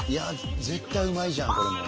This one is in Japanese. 絶対うまいじゃんこれも。